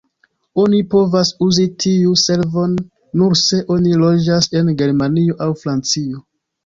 Oni povas uzi tiu servon nur se oni loĝas en Germanio aŭ Francio.